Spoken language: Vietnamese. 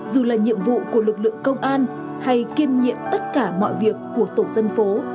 dù là nhiệm vụ của lực lượng công an hay kiêm nhiệm tất cả mọi việc của tổ dân phố